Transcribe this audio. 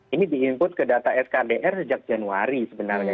ini di input ke data skdr sejak januari sebenarnya